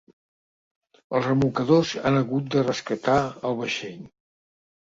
Els remolcadors han hagut de rescatar el vaixell.